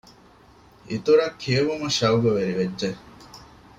އިތުރަށް ކިޔެވުމަށް ޝަައުޤުވެރިވެއްޖެ